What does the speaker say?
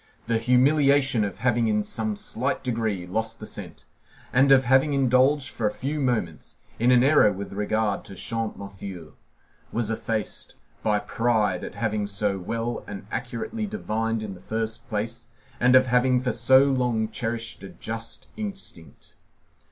The humiliation of having, in some slight degree, lost the scent, and of having indulged, for a few moments, in an error with regard to Champmathieu, was effaced by pride at having so well and accurately divined in the first place, and of having for so long cherished a just instinct.